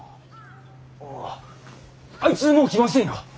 あああいつもう来ませんよ。